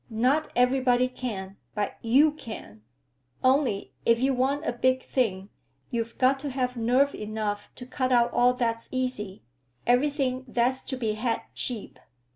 "Not everybody can, but you can. Only, if you want a big thing, you've got to have nerve enough to cut out all that's easy, everything that's to be had cheap."